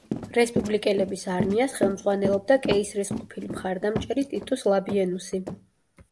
რესპუბლიკელების არმიას ხელმძღვანელობდა კეისრის ყოფილი მხარდამჭერი ტიტუს ლაბიენუსი.